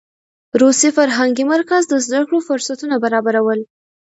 روسي فرهنګي مرکز د زده کړو فرصتونه برابرول.